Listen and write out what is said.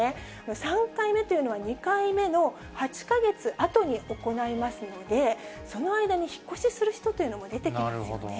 ３回目というのは２回目の８か月あとに行いますので、その間に引っ越しする人というのも出てきますよね。